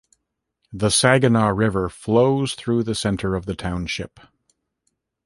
The Saginaw River flows through the center of the township.